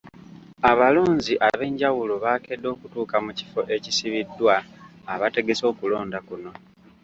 Abalonzi ab’enjawulo baakedde okutuuka mu kifo ekisibiddwa abategese okulonda kuno.